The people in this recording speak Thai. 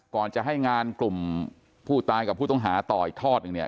ก่อนจะให้งานกลุ่มผู้ตายกับผู้ต้องหาต่ออีกทอดหนึ่งเนี่ย